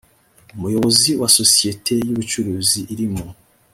umuyobozi mu isosiyete y ubucuruzi iri mu